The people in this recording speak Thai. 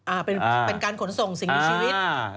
เป็นการขนส่งสิ่งมีชีวิต